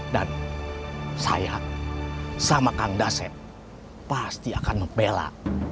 dan saya sama kang daset pasti akan membela